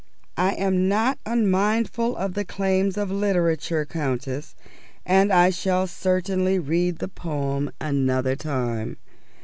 "I am not unmindful of the claims of literature, Countess, and I shall certainly read the poem another time.